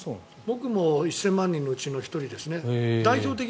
僕も１０００万人のうちの１人ですね。